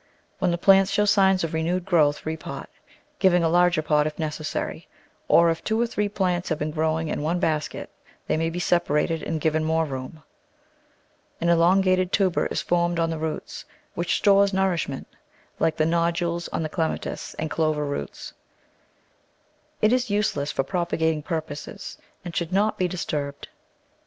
When the plant shows signs of renewed growth repot, giving a larger pot if necessary, or, if two or three plants have been growing in one basket they may be separated and given more room. An elongated tuber is formed on the roots, which stores nourishment — like the nodules on the Clematis and Clover roots. It is use less for propagating purposes, and should not be dis turbed.